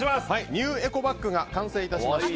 ニューエコバッグが完成いたしました。